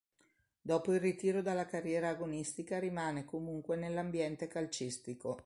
Dopo il ritiro dalla carriera agonistica rimane comunque nell'ambiente calcistico.